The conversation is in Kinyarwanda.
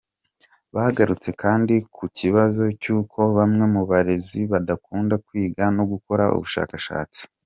Bagarutse kandi ku kibazo cy’uko bamwe mu barezi badakunda kwiga no gukora ubushakashatsi.